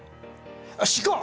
よしいこう！